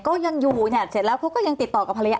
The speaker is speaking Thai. ก็ยังอยู่เนี่ยเสร็จแล้วเขาก็ยังติดต่อกับภรรยา